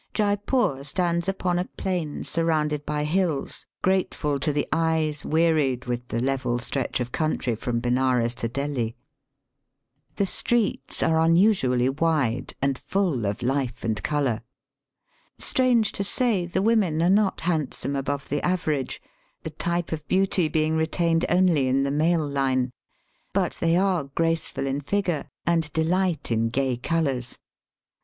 Jeypore stands upon a plain surrounded by hills, grateful to the eyes wearied with the level stretch of country from Benares to Delhi. The streets are unusually wide, and Digitized by VjOOQIC AN ELEPHANT RIDE. 309 full of life and colour. Strange to say, the women are not handsome above the average, the type of beauty being retained only in the male line; but they ai?e graceful in figure, tind delight in gay colours.